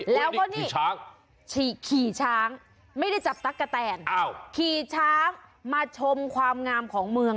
แล้วก็นี่ช้างขี่ช้างไม่ได้จับตั๊กกะแตนขี่ช้างมาชมความงามของเมือง